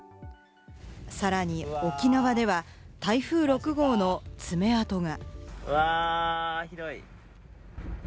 さらに沖縄では、台風６号の爪痕が。